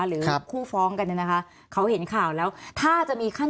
หรือคู่ฟ้องกันดิ